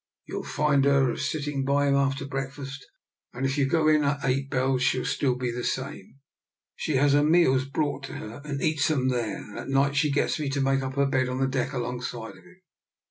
You'll find her a sitting by him after breakfast, and if you go in at eight bells she'll be still the same. She has her meals brought to her and eats 'em there, and at night she gets me to make her up a bed on the deck alongside of him."